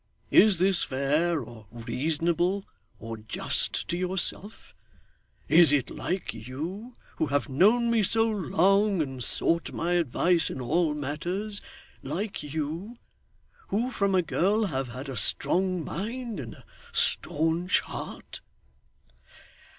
'Is this fair, or reasonable, or just to yourself? Is it like you, who have known me so long and sought my advice in all matters like you, who from a girl have had a strong mind and a staunch heart?